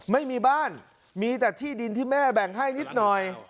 ไม่มีบ้านมีแต่ที่ดินที่แม่แบ่งให้นิดหน่อย